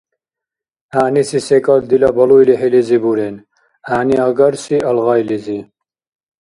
– ГӀягӀниси секӀал дила балуй лихӀилизи бурен. ГӀягӀниагарси – алгъайлизи.